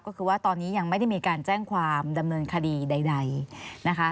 ก็คือว่าตอนนี้ยังไม่ได้มีการแจ้งความดำเนินคดีใดนะคะ